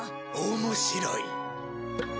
面白い。